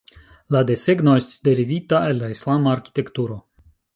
La desegno estis derivita el la Islama arkitekturo.